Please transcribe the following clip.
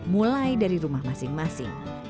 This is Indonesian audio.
mulai dari rumah masing masing